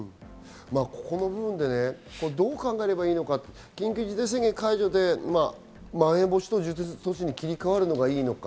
ここの部分でどう考えればいいのか、緊急事態宣言解除でまん延防止等重点措置に切り替わるのがいいのか。